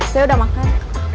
saya udah makan